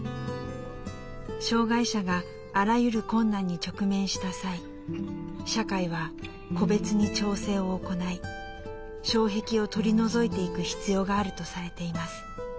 障害者があらゆる困難に直面した際社会は個別に調整を行い障壁を取り除いていく必要があるとされています。